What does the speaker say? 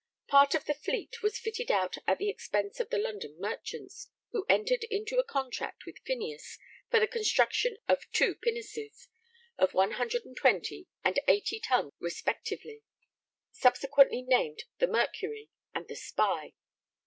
Part of the fleet was fitted out at the expense of the London merchants, who entered into a contract with Phineas for the construction of two pinnaces, of 120 and 80 tons respectively, subsequently named the Mercury and the Spy.